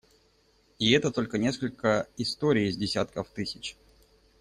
И это только несколько историй из десятков тысяч.